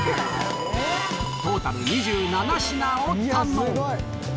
トータル２７品を堪能。